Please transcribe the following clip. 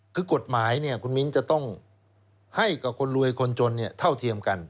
คือกฎหมายคุณมิ้นจะต้องให้กับคนรวยคนจนเท่าเทียมกัน